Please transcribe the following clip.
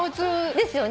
ですよね。